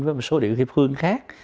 với một số địa phương khác